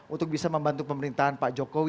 untuk bisa membantu pemerintahan pak jokowi